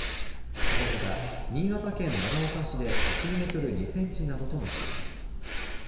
このほか新潟県長岡市で１メートル２センチなどとなっています。